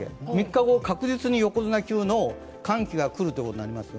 ３日後必ず横綱級の寒気が来ると。